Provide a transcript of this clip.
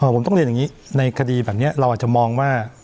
ผมต้องเรียนอย่างนี้ในคดีแบบนี้เราอาจจะมองว่า